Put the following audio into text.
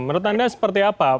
menurut anda seperti apa